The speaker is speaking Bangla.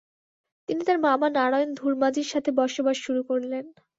তিনি তার মামা নারায়ণ ধুরমাজীর সাথে বসবাস শুরু করলেন।